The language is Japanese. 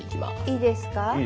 いいですか？